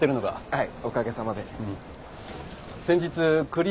はい。